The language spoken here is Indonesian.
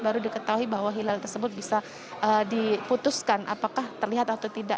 baru diketahui bahwa hilal tersebut bisa diputuskan apakah terlihat atau tidak